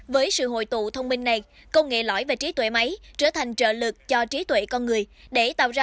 với sự hội tụ thông minh này công nghệ lõi về trí tuệ máy trở thành trợ lực cho trí tuệ con người để tạo ra